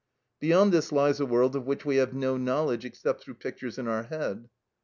Beyond this lies a world of which we have no knowledge except through pictures in our head.